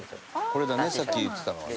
「これだねさっき言ってたのはね」